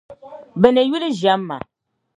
bɛ ni yuli ʒiɛm ma.